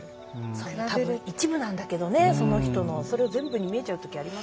多分一部なんだけどねその人の。それを全部に見えちゃう時ありますよね。